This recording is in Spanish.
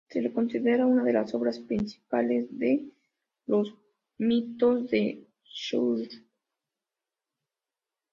Se lo considera una de las obras principales de los Mitos de Cthulhu.